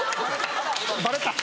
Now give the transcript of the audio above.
バレた